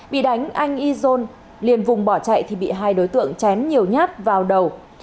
bị đánh anh izon liền vùng bỏ chạy thì bị hai đối tượng chém nhiều nhát vào đầu